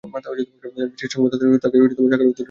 বিশেষ-সংবাদদাতা তাকে সাগরপারের দৈত্যপুরীর কথা বলেছিল।